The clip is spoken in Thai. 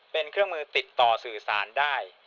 เป็นเครื่องมือติดต่อสื่อสารได้